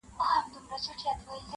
• دومره ښه او لوړ آواز وو خدای ورکړی -